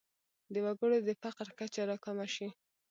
د وګړو د فقر کچه راکمه شي.